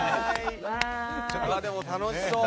でも楽しそう。